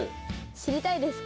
知りたいですか？